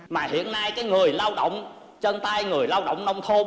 mà hiện nay người lao động chân tay người lao động nông thôn